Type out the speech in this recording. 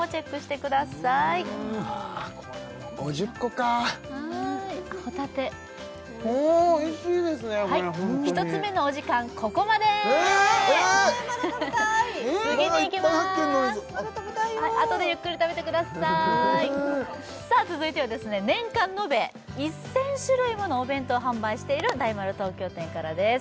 まだいっぱい入ってるのにあとでゆっくり食べてくださいさあ続いてはですね年間のべ１０００種類ものお弁当を販売している大丸東京店からです